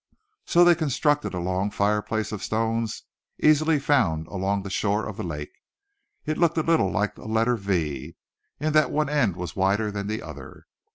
So they constructed a long fireplace of stones easily found along the shore of the lake; it looked a little like a letter V, in that one end was wider than the other.